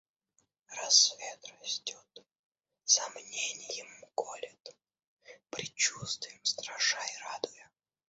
Рассвет растет, сомненьем колет, предчувствием страша и радуя.